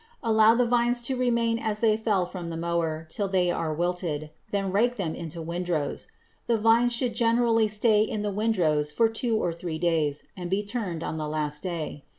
Allow the vines to remain as they fell from the mower till they are wilted; then rake them into windrows. The vines should generally stay in the windrows for two or three days and be turned on the last day.